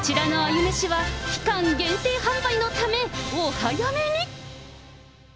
めしは期間限定販売のため、お早めに。